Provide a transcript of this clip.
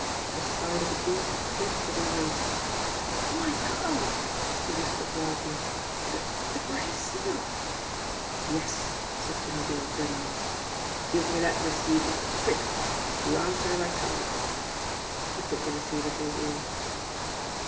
The side of the booth creaked with her weight. "My Gawd !" she whispered wildly. "De de Gray Seal !" "Yes !" said Jimmie Dale grimly. "Give me that receiver. Quick ! You answer as I tell you." He put the receiver to his ear.